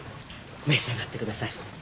召し上がってください